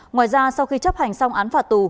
ngoài ra sau khi chấp hành xong án phạt tù